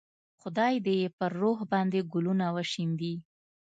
خدای دې یې پر روح باندې ګلونه وشیندي.